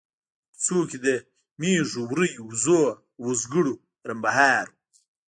په کوڅو کې د مېږو، وريو، وزو او وزګړو رمبهار و.